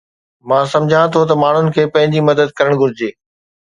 مان سمجهان ٿو ته ماڻهن کي پنهنجي مدد ڪرڻ گهرجي